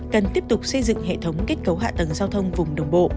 cần tiếp tục xây dựng hệ thống kết cấu hạ tầng giao thông vùng đồng bộ